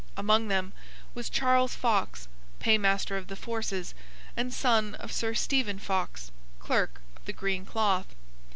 Among them was Charles Fox, Paymaster of the Forces, and son of Sir Stephen Fox, Clerk of the Green Cloth.